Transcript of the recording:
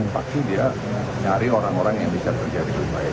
pasti dia nyari orang orang yang bisa kerja dengan baik